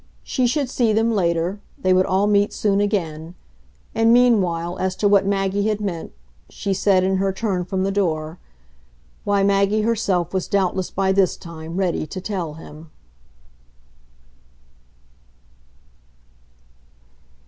She should see them later, they would all meet soon again; and meanwhile, as to what Maggie had meant she said, in her turn, from the door why, Maggie herself was doubtless by this time ready to tell him.